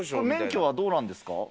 免許はどうなんですか。